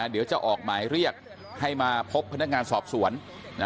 เดี๋ยวจะออกหมายเรียกให้มาพบพนักงานสอบสวน